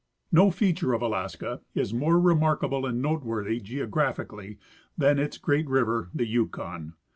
No feature of Alaska is more remarkable and noteworthy, geo graphically, than its great river, the Yukon.